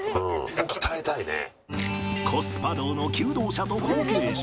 コスパ道の求道者と後継者。